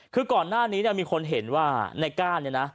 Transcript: คือก่อนหน้านี้เนี่ยมีคนเห็นว่าในก้านเนี่ยนะ